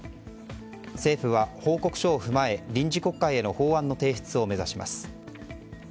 政府は報告書を踏まえ臨時国会への法案への提出を目指します。